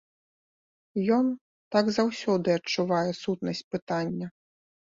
Ён так заўсёды адчувае сутнасць пытання!